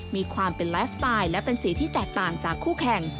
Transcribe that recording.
มีความเป็นไลฟ์สไตล์และเป็นสีที่แตกต่างจากคู่แข่ง